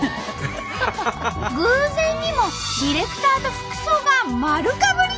偶然にもディレクターと服装がまるかぶり！